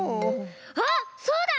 あっそうだ！